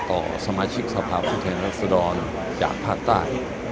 ต่อสมาชิกสภาพผู้แทนรัศดรจากภาคใต้